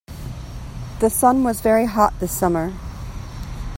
The sun was very hot this summer.